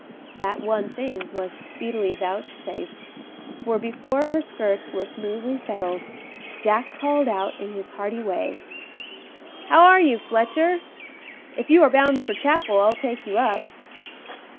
That one thing was speedily vouchsafed, for before her skirts were smoothly settled, Jack called out, in his hearty way, "How are you, Fletcher? If you are bound for Chapel I'll take you up."